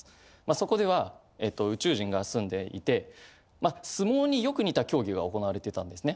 そこでは宇宙人が住んでいて相撲によく似た競技が行われてたんですね。